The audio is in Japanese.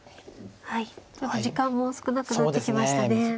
はいちょっと時間も少なくなってきましたね。